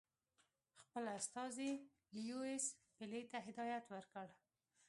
خپل استازي لیویس پیلي ته هدایت ورکړ.